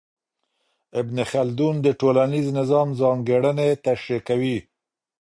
ابن خلدون د ټولنیز نظام ځانګړنې تشریح کوي.